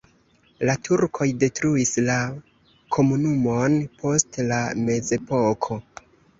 La turkoj detruis la komunumon post la mezepoko.